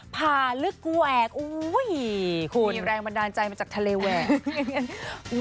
ภาลึกแหวกอุ้ยคุณมีแรงบันดาลใจมาจากทะเลแหวก